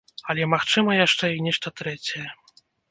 Але магчыма яшчэ і нешта трэцяе.